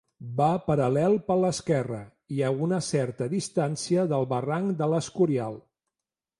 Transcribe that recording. Va paral·lel per l'esquerra, i a una certa distància, del Barranc de l'Escorial.